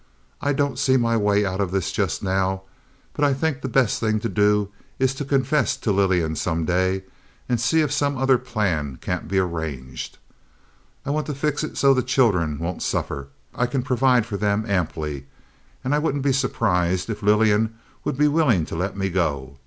I don't see my way out of this just now; but I think the best thing to do is to confess to Lillian some day, and see if some other plan can't be arranged. I want to fix it so the children won't suffer. I can provide for them amply, and I wouldn't be at all surprised if Lillian would be willing to let me go.